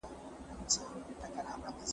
پخواني لغاتونه او داستانونه وڅېړه.